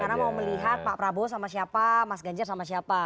karena mau melihat pak prabowo sama siapa mas ganjar sama siapa